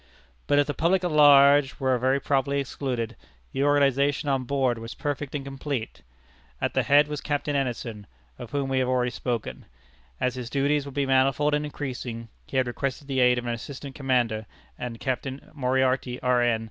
But if the public at large were very properly excluded, the organization on board was perfect and complete. At the head was Captain Anderson, of whom we have already spoken. As his duties would be manifold and increasing, he had requested the aid of an assistant commander, and Captain Moriarty, R. N.